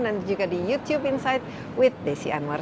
dan juga di youtube insight with desi anwar